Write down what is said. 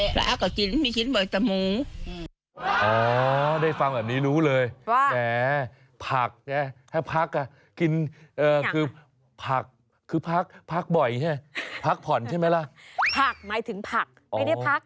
พักหมายถึงผักไม่ได้พัก